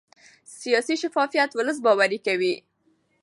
سیاسي شفافیت ولس باوري کوي